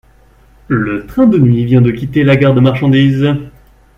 Le train de nuit vient de quitter la gare de marchandise